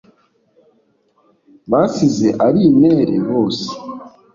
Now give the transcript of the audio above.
basize ari intere bose